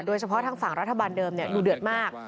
โดยเฉพาะทางฝั่งรัฐบาลเดิมดูเดือดมาก